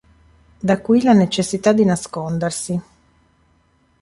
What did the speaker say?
Da qui la necessità di nascondersi.